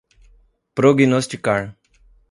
prognosticar